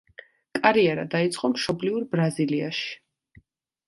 კარიერა დაიწყო მშობლიურ ბრაზილიაში.